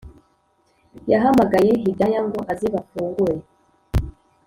yahamagaye hidaya ngo aze bafungure.